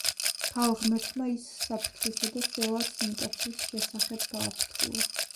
ქალღმერთმა ის საფრთხისა და სელას სიმკაცრის შესახებ გააფრთხილა.